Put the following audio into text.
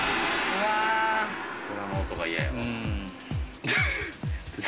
銅鑼の音が嫌やわ。